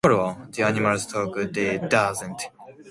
The animals talk; Dee doesn't.